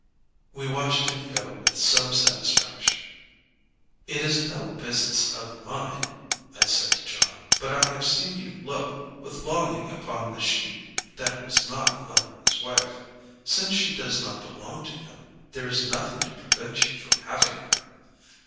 We watched him go with some satisfaction. "It is no business of mine," I said to Jon, "but I have seen you look with longing upon the she that was not Langley's wife. Since she does not belong to him, there is nothing to prevent you from having her.